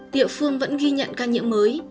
địa phương vẫn ghi nhận ca nhiễm mới